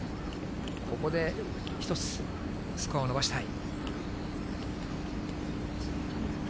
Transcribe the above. ここで１つスコアを伸ばしたい。